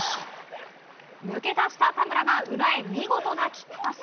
抜け出した田村が裏へ見事なキックパス。